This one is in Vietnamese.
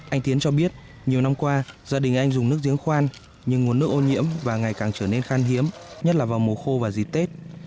anh tiến cho biết nhiều năm qua gia đình anh dùng nước giếng khoan nhưng nguồn nước ô nhiễm và ngày càng trở nên khan hiếm nhất là vào mùa khô và dịp tết